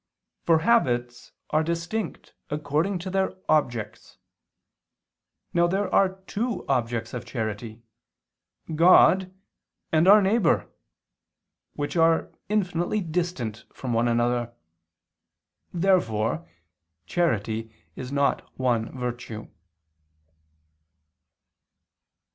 For habits are distinct according to their objects. Now there are two objects of charity God and our neighbor which are infinitely distant from one another. Therefore charity is not one virtue.